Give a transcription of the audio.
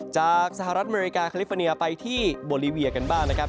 สหรัฐอเมริกาคาลิฟอร์เนียไปที่โบรีเวียกันบ้างนะครับ